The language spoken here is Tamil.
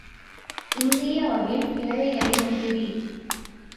இந்தியாவில் ஏழைகளே மிகுதி.